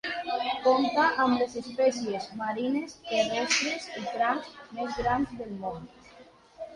Compta amb les espècies marines, terrestres i crancs més grans del món.